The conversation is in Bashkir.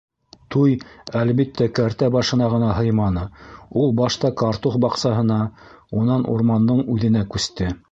Туй, әлбиттә, кәртә башына ғына һыйманы, ул башта картуф баҡсаһына, унан урмандың үҙенә күсте.